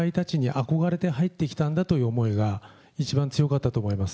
憧れて入ってきたんだという思いが一番強かったと思います。